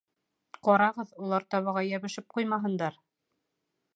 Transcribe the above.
Ҡарағыҙ, улар табаға йәбешеп ҡуймаһындар